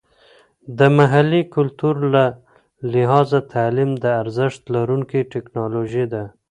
د محلي کلتور له لحاظه تعلیم د ارزښت لرونکې ټیکنالوژي ده.